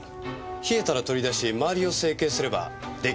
冷えたら取り出し周りを整形すれば出来上がりです。